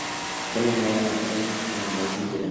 Fue nombrado en iTunes el Álbum del Año.